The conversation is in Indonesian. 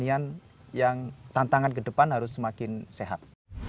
dan saya berharap bahwa dunia pertanian yang tantangan ke depan harus semakin sehat